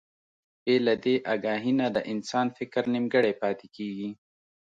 بې له دې اګاهي نه د انسان فکر نيمګړی پاتې کېږي.